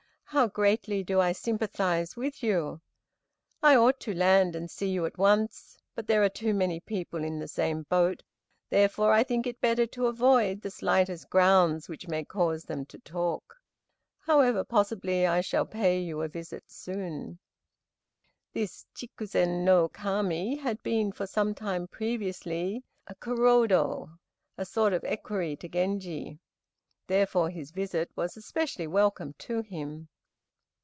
How greatly do I sympathize with you! I ought to land and see you at once, but there are too many people in the same boat, therefore I think it better to avoid the slightest grounds which may cause them to talk. However, possibly I shall pay you a visit soon." This Chikzen no Kami had been for some time previously a Kurand (a sort of equerry) to Genji, therefore his visit was especially welcome to him.